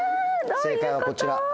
正解はこちら。